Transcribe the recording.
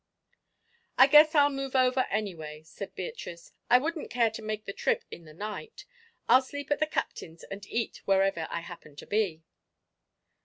"I guess I'll move over anyway," said Beatrice. "I wouldn't care to make the trip in the night. I'll sleep at the Captain's and eat wherever I happen to be."